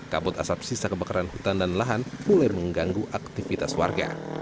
kabut asap sisa kebakaran hutan dan lahan mulai mengganggu aktivitas warga